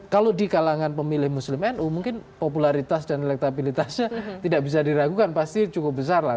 kalau di kalangan pemilih muslim nu mungkin popularitas dan elektabilitasnya tidak bisa diragukan pasti cukup besar lah